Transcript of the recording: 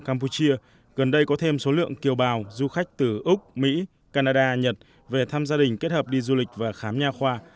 campuchia gần đây có thêm số lượng kiều bào du khách từ úc mỹ canada nhật về thăm gia đình kết hợp đi du lịch và khám nhà khoa